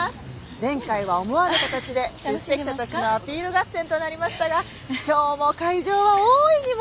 前回は思わぬ形で出席者たちのアピール合戦となりましたが今日も会場は大いに盛り上がっています！